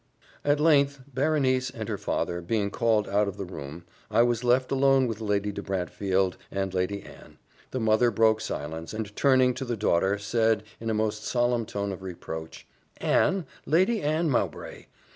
At length, Berenice and her father being called out of the room, I was left alone with Lady de Brantefield and Lady Anne: the mother broke silence, and turning to the daughter, said, in a most solemn tone of reproach, "Anne! Lady Anne Mowbray!